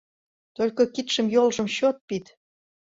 Только кидшым-йолжым чот пид!